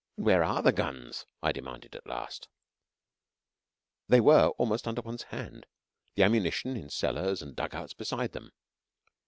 "And where are the guns?" I demanded at last. They were almost under one's hand, their ammunition in cellars and dug outs beside them.